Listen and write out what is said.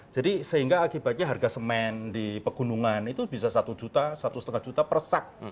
jadi sehingga akibatnya harga semen di pegunungan itu bisa satu juta satu setengah juta persak